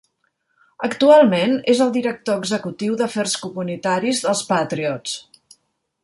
Actualment, és el director executiu d'afers comunitaris dels Patriots.